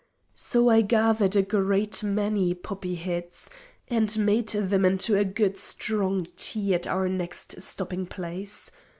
So I gathered a great many poppy heads and made them into a good strong tea at our next stopping place.